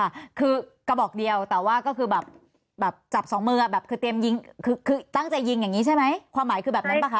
ค่ะคือกระบอกเดียวแต่ว่าก็คือแบบแบบจับสองมือแบบคือเตรียมยิงคือคือตั้งใจยิงอย่างนี้ใช่ไหมความหมายคือแบบนั้นป่ะค